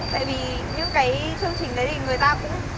tại vì những cái chương trình đấy thì người ta cũng